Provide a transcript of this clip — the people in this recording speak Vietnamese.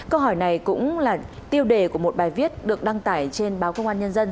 câu hỏi này cũng là tiêu đề của một bài viết được đăng tải trên báo công an nhân dân